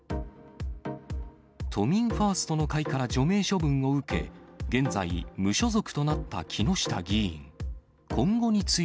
都民ファーストの会から除名処分を受け、現在、無所属となった木下議員。